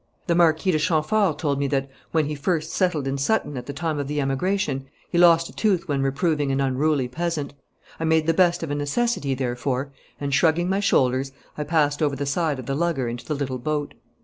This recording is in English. The Marquis de Chamfort told me that, when he first settled in Sutton at the time of the emigration, he lost a tooth when reproving an unruly peasant. I made the best of a necessity, therefore, and, shrugging my shoulders, I passed over the side of the lugger into the little boat.